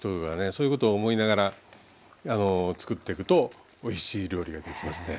そういうことを思いながら作っていくとおいしい料理ができますね。